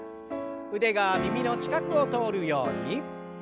腕が耳の近くを通るように。